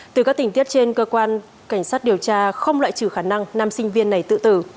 từ các tình tiết trên cơ quan cảnh sát điều tra không loại trừ khả năng nam sinh viên này tự tử